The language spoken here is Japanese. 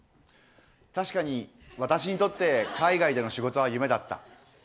確かに私にとって海外での仕事は夢だった。